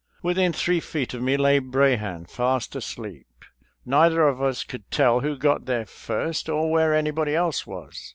Within three feet of me lay Brahan fast asleep. Neither of us could tell who got there first, or where any body else was.